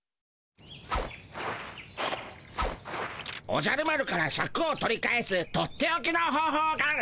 おじゃる丸からシャクを取り返すとっておきの方ほうをかん。